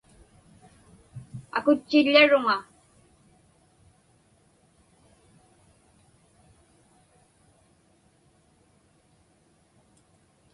Akutchiḷḷaruŋa.